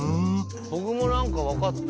僕も何か分かった。